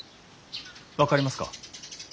分かりますか？